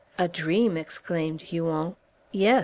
"A dream!" exclaimed Huon. "Yes!